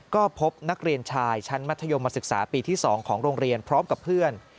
ก็พบนักเรียนชายชั้นมัธยมศึกษาปีที่๒ของโรงเรียนพร้อมกับเพื่อน